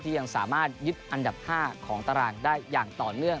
ยังสามารถยึดอันดับ๕ของตารางได้อย่างต่อเนื่อง